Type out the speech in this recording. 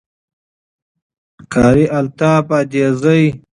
Qari Altaf Adezai